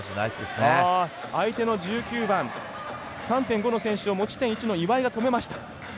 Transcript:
相手の１９番、３．５の選手を持ち点１の岩井が止めました。